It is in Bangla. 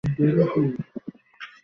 ব্যস বসে থাকবো?